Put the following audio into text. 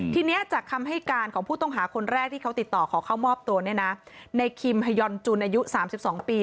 ทีนี้จากคำให้การของผู้ต้องหาคนแรกที่เขาติดต่อขอเข้ามอบตัวเนี่ยนะในคิมฮายอนจุนอายุ๓๒ปี